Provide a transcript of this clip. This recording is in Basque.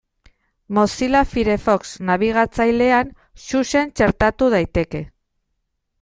Mozilla Firefox nabigatzailean Xuxen txertatu daiteke.